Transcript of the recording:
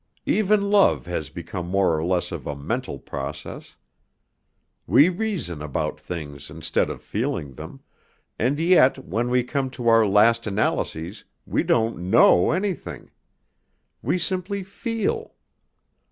Even love has become more or less of a mental process. We reason about things instead of feeling them, and yet when we come to our last analyses we don't know anything; we simply feel.